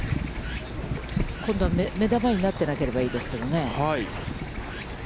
今度は目玉になっていなければいいですけどね。